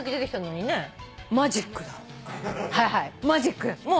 マジック。